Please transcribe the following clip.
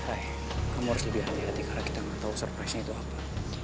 hai kamu harus lebih hati hati karena kita nggak tahu surprise itu apa